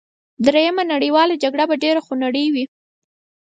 دریمه نړیواله جګړه به ډېره خونړۍ وي